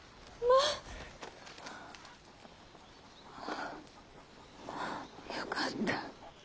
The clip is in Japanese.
あぁよかった。